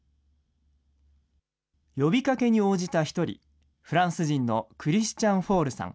呼びかけに応じた一人、フランス人のクリスチャン・フォールさん。